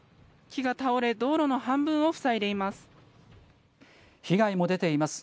木が倒れ、道路の半分を塞いでい被害も出ています。